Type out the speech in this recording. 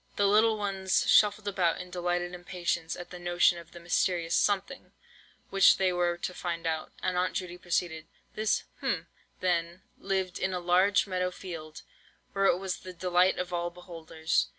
The little ones shuffled about in delighted impatience at the notion of the mysterious "something" which they were to find out, and Aunt Judy proceeded:— "This—hm—then, lived in a large meadow field, where it was the delight of all beholders.